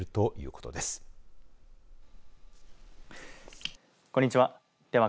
こんにちは。